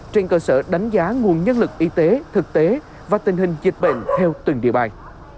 trên cơ sở đánh giá nguồn nhân lực y tế thực tế và tình hình dịch bệnh theo từng địa bàn